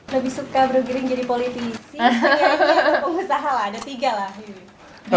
lebih suka bro giring jadi politisi atau pengusaha lah ada tiga lah